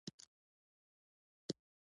پخوانۍ تړه وساتو چې نور به شین بوټی نه وهو.